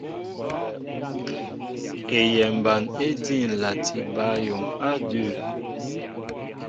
Eyɛmba éjí ǹlati bǎyuŋ á adʉ̂.